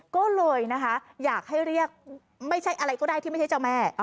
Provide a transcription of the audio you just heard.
ก็เลยนะคะอยากให้เรียกไม่ใช่อะไรก็ได้ที่ไม่ใช่เจ้าแม่